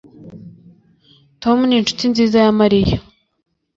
Tom ni inshuti nziza ya Mariya